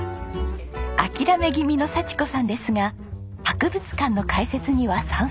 諦め気味の佐智子さんですが博物館の開設には賛成でした。